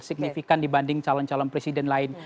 signifikan dibanding calon calon presiden lain